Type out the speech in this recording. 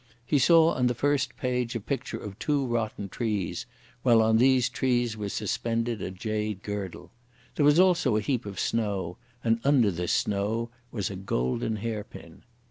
He saw on the first page a picture of two rotten trees, while on these trees was suspended a jade girdle. There was also a heap of snow, and under this snow was a golden hair pin.